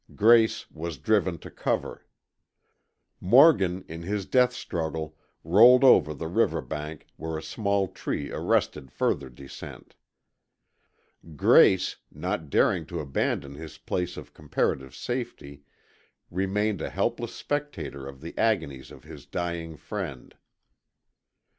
Grace was driven to cover. Morgan, in his death struggle, rolled over the river bank where a small tree arrested further descent. Grace, not daring to abandon his place of comparative safety, remained a helpless spectator of the agonies of his dying friend.